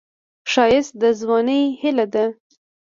ښایست د ځوانۍ هیلې ده